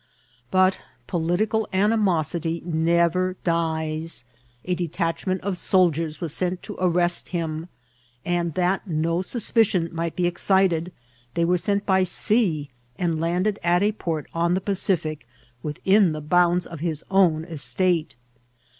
But political animosity nerer dies* A detachment of soldiers was sent to ar rest him, and, that no suspicion might be excited, they were sent by sea, and landed at a port on the Pacific within the bounds of his own estate.